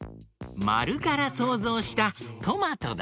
まるからそうぞうしたトマトだよ。